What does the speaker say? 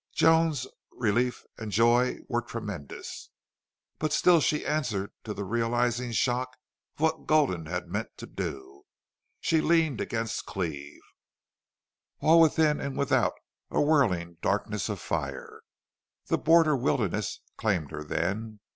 Joan's relief and joy were tremendous. But still she answered to the realizing shock of what Gulden had meant to do. She leaned against Cleve, all within and without a whirling darkness of fire. The border wildness claimed her then.